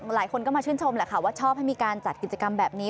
หลายคนก็มาชื่นชมแหละค่ะว่าชอบให้มีการจัดกิจกรรมแบบนี้